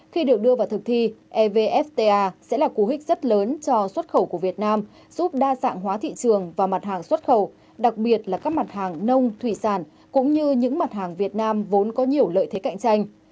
khi được đưa vào thực thi evfta sẽ là cú hích rất lớn cho xuất khẩu của việt nam giúp đa dạng hóa thị trường và mặt hàng xuất khẩu đặc biệt là các mặt hàng nông thủy sản cũng như những mặt hàng việt nam vốn có nhiều lợi thế cạnh tranh